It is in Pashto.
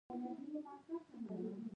توده ډوډۍ او شین چای ستړیا له منځه وړي.